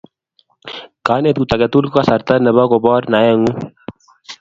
Kanetut age tugul ko kasarta nebo kopor naengung